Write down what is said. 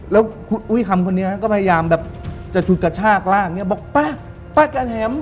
แล้วอุ้ยคำคนนี้ก็พยายามแบบจะชุดกับชากรากเนี่ยบอกปะปะกันแห็ม